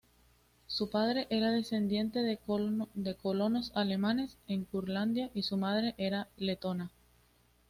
Su padre era descendiente de colonos alemanes en Curlandia y su madre era letona.